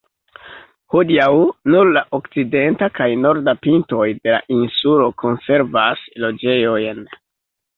Hodiaŭ, nur la okcidenta kaj norda pintoj de la insulo konservas loĝejojn.